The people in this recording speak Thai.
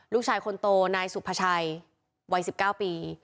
ลูกชายคนโตนายสุภาชัยวัย๑๙ปี